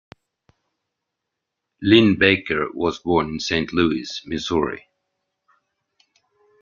Linn-Baker was born in Saint Louis, Missouri.